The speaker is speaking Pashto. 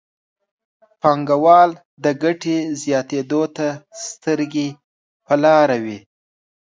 پانګوال د ګټې زیاتېدو ته سترګې په لاره وي.